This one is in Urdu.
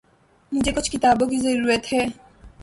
مجھے کچھ کتابوں کی ضرورت ہے۔